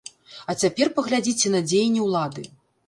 А цяпер паглядзіце на дзеянні ўлады.